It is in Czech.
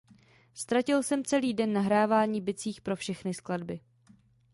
Ztratil jsem celý den nahrávání bicích pro všechny skladby.